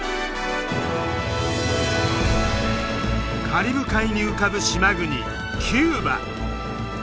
カリブ海に浮かぶ島国キューバ。